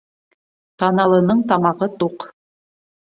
Таналының тамағы туҡ.